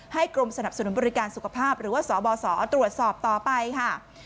กรมสนับสนุนบริการสุขภาพหรือว่าสบสตรวจสอบต่อไปค่ะ